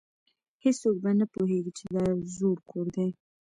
هیڅوک به نه پوهیږي چې دا یو زوړ کور دی